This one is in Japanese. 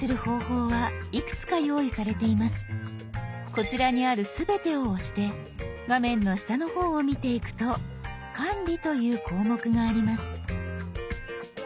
こちらにある「すべて」を押して画面の下の方を見ていくと「管理」という項目があります。